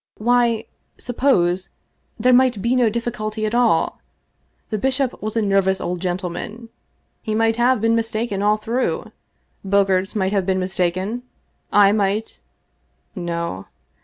Why — suppose — there might be no difficulty after all! The bishop was a nervous old gentleman. He might have been mistaken all through, Bogaerts might have been mistaken, I might — no.